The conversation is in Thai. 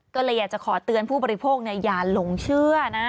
ก็เลยอยากจะขอเตือนผู้บริโภคอย่าหลงเชื่อนะ